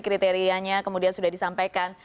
kriterianya kemudian sudah disampaikan